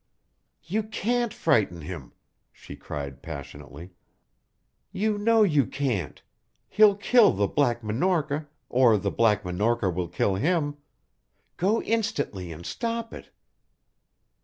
"You can't frighten him," she cried passionately, "You know you can't. He'll kill the Black Minorca, or the Black Minorca will kill him. Go instantly and stop it."